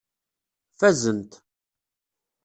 Fazent.